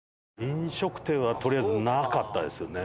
飲食店はとりあえずなかったですよね。